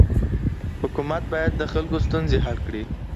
حکومت بايد دخلکو ستونزي حل کړي.